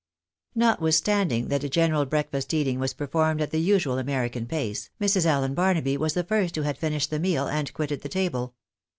NoTWiTHSTAKDiNG that the general breakfast eating was per formed at the usual American pace, Mrs. Allen Barnaby was the first who had finished the meal and quitted the table.